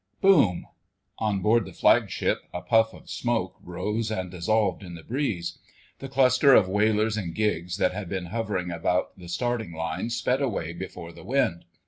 * Boom! On board the Flagship a puff of smoke rose and dissolved in the breeze; the cluster of whalers and gigs that had been hovering about the starting line sped away before the wind.